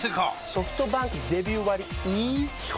ソフトバンクデビュー割イズ基本